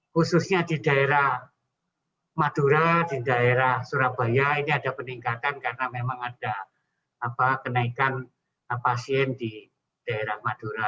khususnya di daerah madura di daerah surabaya ini ada peningkatan karena memang ada kenaikan pasien di daerah madura